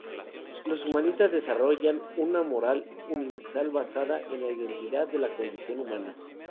Los humanistas desarrollan una moral universal basada en la identidad de la condición humana.